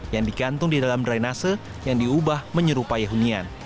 yang digantung di dalam drainase yang diubah menyerupai hunian